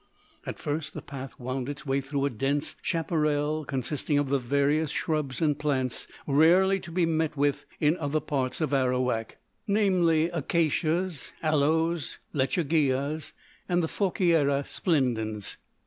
At first, the path wound its way through a dense chapparal consisting of the various shrubs and plants rarely to be met with in other parts of Arawak, namely, acacias, aloes, lechuguillas, and the Fouquiera splendens.